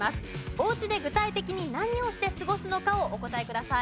おうちで具体的に何をして過ごすのかをお答えください。